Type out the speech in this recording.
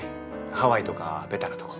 ハワイとかベタなとこ。